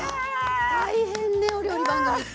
大変ねお料理番組って。